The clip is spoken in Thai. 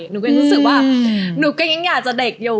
หนูก็ยังรู้สึกว่าหนูก็ยังอยากจะเด็กอยู่